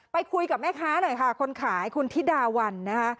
ไปคุยกับแม่ค้าหน่อยค่ะคนขายคุณธิดาวันนะคะ